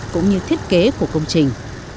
cũng như thiết kế của công trình